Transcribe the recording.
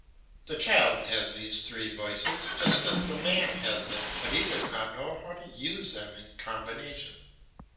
The child has these three voices, just as the man has them, but he does not know how to use them in combination.